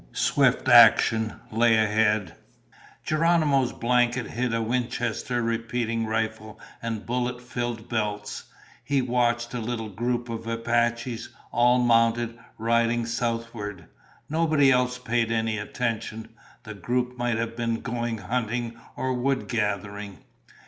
Swift action lay ahead. Geronimo's blanket hid a Winchester repeating rifle and bullet filled belts. He watched a little group of Apaches, all mounted, riding southward. Nobody else paid any attention; the group might have been going hunting or wood gathering.